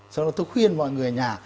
sau đó tôi khuyên mọi người nhà